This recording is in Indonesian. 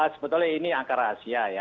sebetulnya ini angka rahasia ya